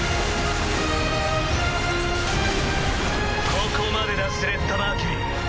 ここまでだスレッタ・マーキュリー。